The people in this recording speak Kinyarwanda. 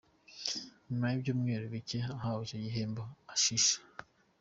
Nyuma y’ibyumweru bike ahawe icyo gihembo, Ashish J.